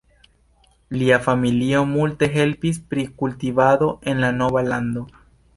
Lia familio multe helpis pri kultivado en la nova lando.